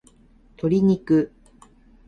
鶏肉